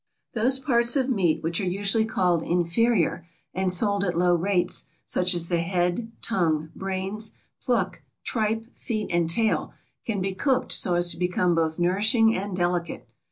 Those parts of meat which are usually called inferior, and sold at low rates, such as the head, tongue, brains, pluck, tripe, feet, and tail, can be cooked so as to become both nourishing and delicate.